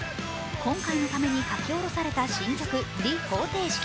今回のために書き下ろされた新曲「Ｒｅ方程式」。